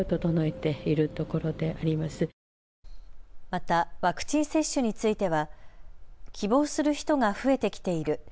またワクチン接種については希望する人が増えてきている。